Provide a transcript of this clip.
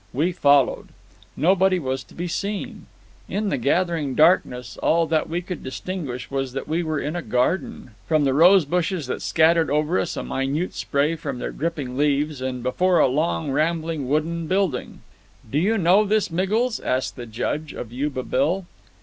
We followed. Nobody was to be seen. In the gathering darkness all that we could distinguish was that we were in a garden from the rosebushes that scattered over us a minute spray from their dripping leaves and before a long, rambling wooden building. "Do you know this Miggles?" asked the Judge of Yuba Bill.